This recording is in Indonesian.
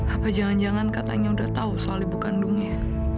apa jangan jangan katanya udah tahu soal ibu kandungnya